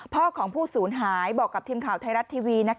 พ่อของผู้สูญหายบอกกับทีมข่าวไทยรัฐทีวี